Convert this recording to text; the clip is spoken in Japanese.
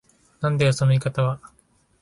なんだよその言い方は。